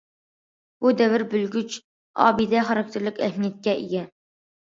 بۇ، دەۋر بۆلگۈچ ئابىدە خاراكتېرلىك ئەھمىيەتكە ئىگە.